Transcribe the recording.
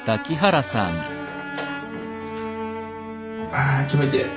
あぁ気持ちいい。